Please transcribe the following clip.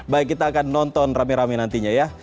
baik kita akan nonton rame rame nantinya ya